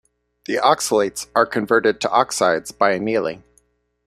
The oxalates are converted to oxides by annealing.